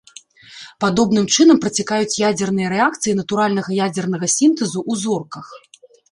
Падобным чынам працякаюць ядзерныя рэакцыі натуральнага ядзернага сінтэзу ў зорках.